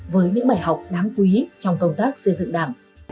với những bài học đáng quý trong công tác xây dựng đảng